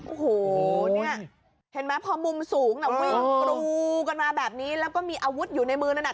โอ้โหเนี่ยเห็นไหมพอมุมสูงน่ะวิ่งกรูกันมาแบบนี้แล้วก็มีอาวุธอยู่ในมือนั้นน่ะ